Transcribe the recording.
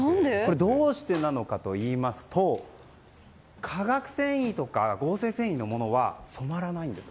どうしてなのかといいますと化学繊維とか合成繊維のものは染まらないんです。